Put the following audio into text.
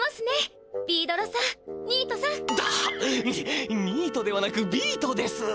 ニートではなくビートです。